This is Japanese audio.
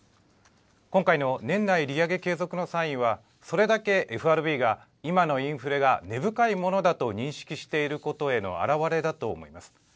今回の年内利上げ継続のサインは、それだけＦＲＢが今のインフレが根深いものだと認識していることへの表れだと思います。